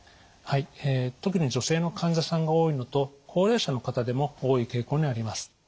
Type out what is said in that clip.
はい特に女性の患者さんが多いのと高齢者の方でも多い傾向にあります。